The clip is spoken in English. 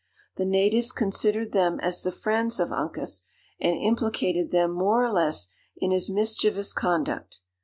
The natives considered them as the friends of Uncas, and implicated them more or less in his mischievous conduct.